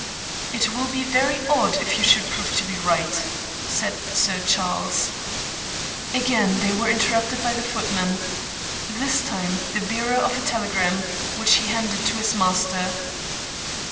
"It will be very odd if you should prove to be right," said Sir Charles. Again they were interrupted by the footman, this time the bearer of a telegram, which he handed to his master.